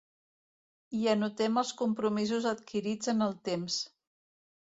Hi anotem els compromisos adquirits en el temps.